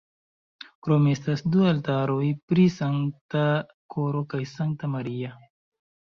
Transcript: Krome estas du altaroj pri Sankta Koro kaj Sankta Maria.